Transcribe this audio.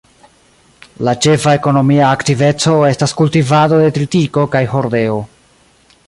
La ĉefa ekonomia aktiveco estas kultivado de tritiko kaj hordeo.